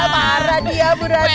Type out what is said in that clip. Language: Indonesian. marah dia bu ranti